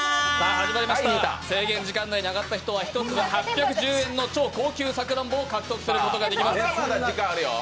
制限時間内に上がった人は、１つ８１０円の超高級さくらんぼを獲得することができます。